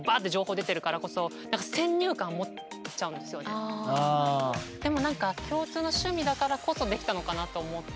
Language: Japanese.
最初でもなんか共通の趣味だからこそできたのかなと思ってて。